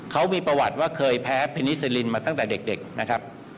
เขามีประวัติว่าเคยแพ้เพนิซิลินมาตั้งแต่เด็กนะครับ